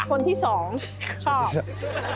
คนที่สองชอบ